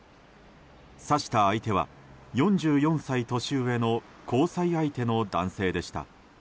刺した相手は、４４歳年上の交際相手の男性でした。